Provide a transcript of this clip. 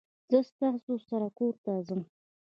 زه ستاسو سره کورته ځم